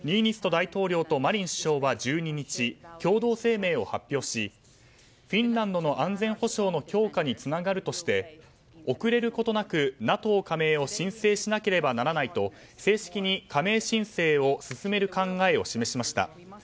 大統領とマリン首相は１２日共同声明を発表しフィンランドの安全保障の強化につながるとして遅れることなくＮＡＴＯ加盟を申請しなければならないと正式に加盟申請を進める考えを示しました。